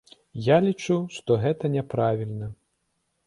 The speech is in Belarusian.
Я лічу, што гэта няправільна.